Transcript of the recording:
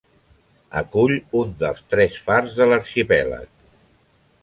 Acull un dels tres fars de l'arxipèlag.